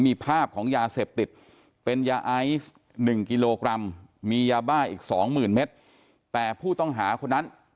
มีภาพของยาเสพติดเป็นยาไอซ์๑กิโลกรัมมียาบ้าอีกสองหมื่นเมตรแต่ผู้ต้องหาคนนั้น